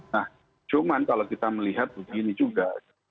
nah cuman kalau kita melihat begini juga